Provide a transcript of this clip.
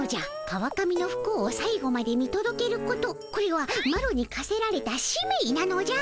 川上のふ幸をさい後まで見とどけることこれはマロにかせられた使命なのじゃ。